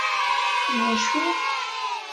I wacu?